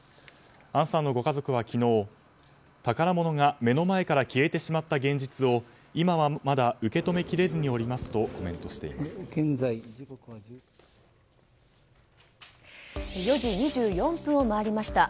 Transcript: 杏さんのご家族は昨日宝物が目の前から消えてしまった現実を今はまだ受け止めきれずにおりますと４時２４分を回りました。